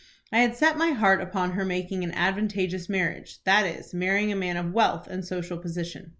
I had set my heart upon her making an advantageous marriage; that is, marrying a man of wealth and social position.